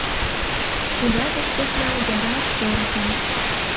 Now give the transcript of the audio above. Пуля деч посна, яра порохым.